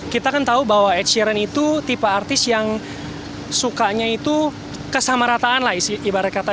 kita kan tahu bahwa ed sheeran itu tipe artis yang sukanya itu kesamarataan lah ibarat kata